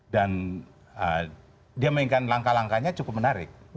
dan dia mengingat langkah langkahnya cukup menarik